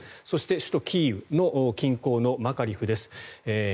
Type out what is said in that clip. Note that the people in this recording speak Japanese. そして、首都キーウ近郊のマカリフです。